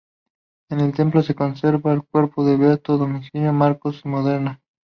En el templo se conserva el cuerpo del beato dominico Marcos de Módena.